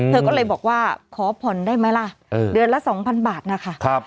เธอก็เลยบอกว่าขอผ่อนได้ไหมล่ะเดือนละ๒๐๐บาทนะคะ